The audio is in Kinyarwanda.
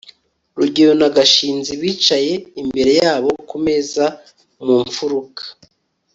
rugeyo na gashinzi bicaye imbere yabo kumeza mu mfuruka